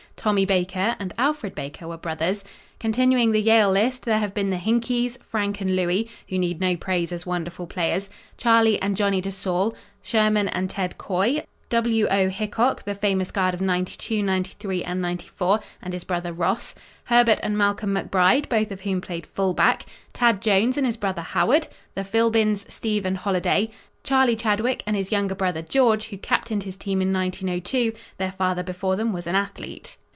Tommy Baker and Alfred Baker were brothers. Continuing the Yale list, there have been the Hinkeys, Frank and Louis, who need no praise as wonderful players Charlie and Johnny de Saulles Sherman and "Ted" Coy W. O. Hickok, the famous guard of '92, '93 and '94 and his brother Ross Herbert and Malcolm McBride, both of whom played fullback Tad Jones and his brother Howard the Philbins, Steve and Holliday Charlie Chadwick and his younger brother, George, who captained his team in 1902. Their father before them was an athlete.